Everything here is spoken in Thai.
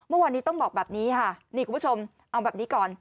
เมื่อวานนี้ต้องบอกแบบนี้ค่ะนี่คุณผู้ชมเอาแบบนี้ก่อน